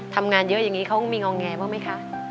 ทำงานเยอะอย่างนี้เขามีงอแงบ้างไหมคะ